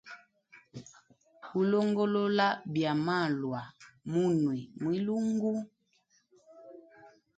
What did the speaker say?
Ulongolola byamalwa munwe mwilungu.